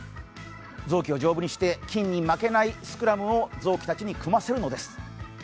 臓器を丈夫にして、菌に負けないスクラムを臓器たちに組ませるのです。